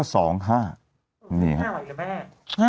นี่ค่ะ๕ออกมาทุกงวดเลยนะ